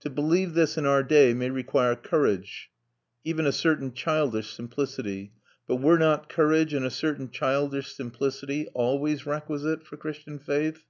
To believe this in our day may require courage, even a certain childish simplicity; but were not courage and a certain childish simplicity always requisite for Christian faith?